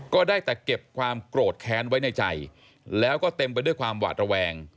ก็ได้แต่เก็บความโกรธแค้นไว้ในใจแล้วก็เต็มไปด้วยความหวาดระแวง